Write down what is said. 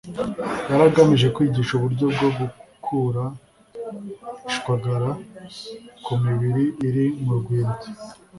yari agamije kwigisha uburyo bwo gukura ishwagara ku mibiri iri mu rwibutso